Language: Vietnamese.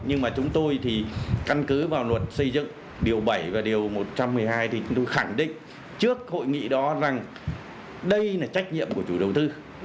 nhưng mà chúng tôi thì căn cứ vào luật xây dựng điều bảy và điều một trăm một mươi hai thì chúng tôi khẳng định trước hội nghị đó rằng đây là trách nhiệm của chủ đầu tư